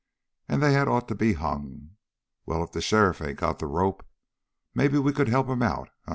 And they had ought to be hung. Well, if the sheriff ain't got the rope, maybe we could help him out, eh?"